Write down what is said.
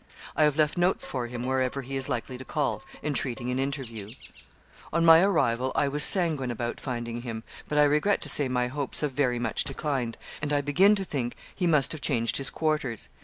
I have left notes for him wherever he is likely to call, entreating an interview. 'On my arrival I was sanguine about finding him; but I regret to say my hopes have very much declined, and I begin to think he must have changed his quarters.